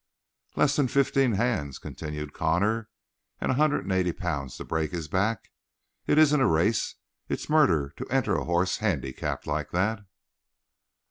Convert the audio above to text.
"Less than fifteen hands," continued Connor, "and a hundred and eighty pounds to break his back. It isn't a race; it's murder to enter a horse handicapped like that."